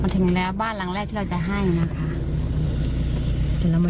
ไม่เกลียดความสุขความจริงหรือว่าเย็นเป็นภาษา